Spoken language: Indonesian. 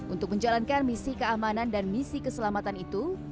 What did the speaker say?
untuk menjalankan misi keamanan dan misi keselamatan itu